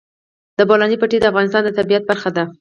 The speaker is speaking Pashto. د بولان پټي د افغانستان د طبیعت برخه ده.